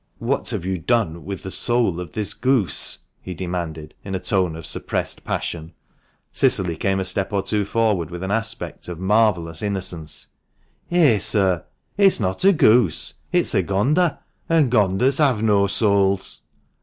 " What have you done with the soul of this goose ?" he demanded, in a tone of suppressed passion. Cicily came a step or two forward with an aspect of marvellous innocence. " Eh, sir, it's not a goose, it's a gonder, and ganders have no souts."